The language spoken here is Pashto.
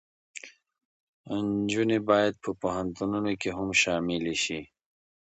نجونې باید په پوهنتونونو کې هم شاملې شي.